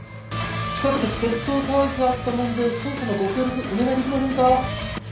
近くで窃盗騒ぎがあったもので捜査のご協力お願い出来ませんか？